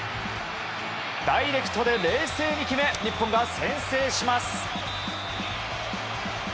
ダイレクトで冷静に決め日本が先制します。